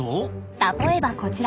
例えばこちら。